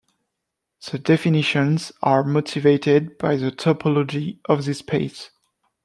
The definitions are motivated by the topology of this space.